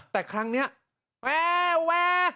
แต่ครั้งนี้แว่วแว่ว